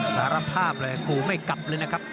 สารภาพเลยกูไม่กลับเลยนะครับ